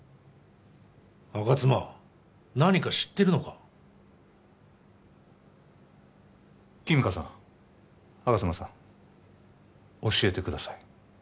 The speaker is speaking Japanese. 吾妻何か知ってるのか君香さん吾妻さん教えてください